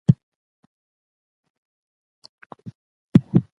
تاريخي اشتباهات بايد تکرار نه سي.